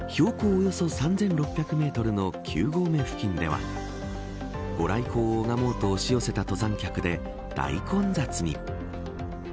およそ３６００メートルの９合目付近では御来光を拝もうと押し寄せた登山客で大混雑に。